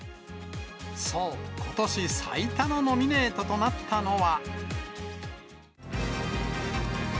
そう、ことし最多のノミネートとなったのは。